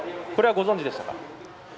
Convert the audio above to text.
これはご存じでしたか？